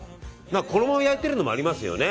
このまま焼いてるのもありますよね。